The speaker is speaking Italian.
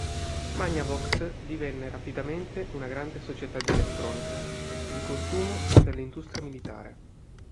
Magnavox divenne rapidamente una grande società di elettronica di consumo e per l'industria militare.